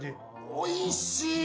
おいしい！